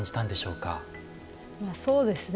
そうですね。